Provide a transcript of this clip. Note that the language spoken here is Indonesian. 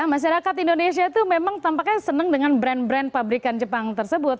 masyarakat indonesia itu memang tampaknya senang dengan brand brand pabrikan jepang tersebut